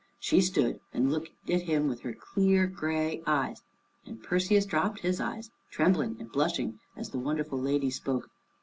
She stood and looked at him with her clear gray eyes. And Perseus dropped his eyes, trembling and blushing, as the wonderful lady spoke.